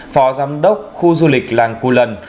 phó giám đốc khu du lịch làng cù lần